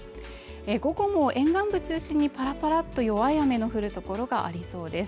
ここも沿岸部中心にパラパラっと弱い雨の降るところがありそうです。